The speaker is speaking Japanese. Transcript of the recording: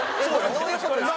どういう事ですか？